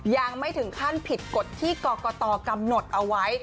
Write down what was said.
ยังไม่ถึงขั้นผิดกฎที่กรกตกำหนดเอาไว้